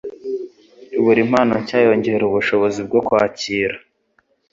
Buri mpano nshya yongera ubushobozi bwo kwakira